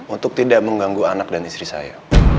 untuk tidak mengganggu anak dan istri saya